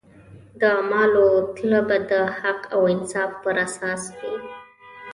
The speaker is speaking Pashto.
د اعمالو تله به د حق او انصاف پر اساس وي.